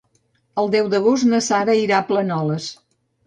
El deu d'agost na Sara irà a Planoles.